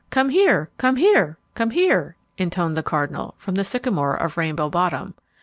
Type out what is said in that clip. "Come here! Come here! Come here!" intoned the cardinal, from the sycamore of Rainbow Bottom.